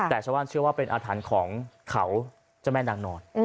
แต่ฉะนั้นเชื่อว่าเป็นอธันของเขาเจ้าแม่นางนอน